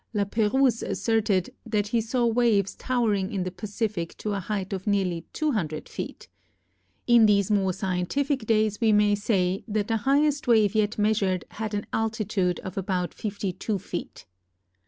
La Perouse asserted that he saw waves towering in the Pacific to a height of nearly two hundred feet. In these more scientific days we may say that the highest wave yet measured had an altitude of about fifty two feet.